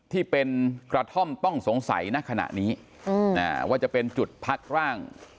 ที่เป็นกระท่อมต้องสงสัยณขณะนี้ว่าจะเป็นจุดพักร่าง